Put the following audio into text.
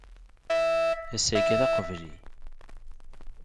Ass-agi, d aqebli.